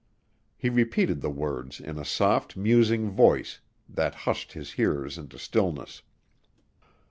He repeated the words in a soft, musing voice that hushed his hearers into stillness.